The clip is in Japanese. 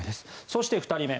そして２人目。